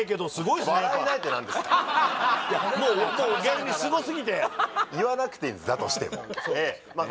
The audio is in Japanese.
いやもう逆にすごすぎて言わなくていいですだとしてもええまあ